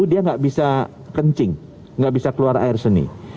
dia gak bisa kencing gak bisa keluar air seni